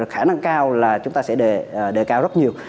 khả năng cao là chúng ta sẽ đề cao rất nhiều